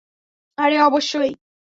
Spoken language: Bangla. আরে, অবশ্যই।